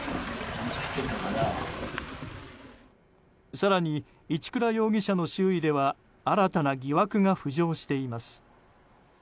更に、一倉容疑者の周囲では新たな疑惑が浮上しています。